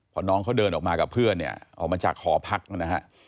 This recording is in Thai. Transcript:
พอน้องเขาเดินออกมากับเพื่อนเนี่ยออกมาจากหอพักนะฮะ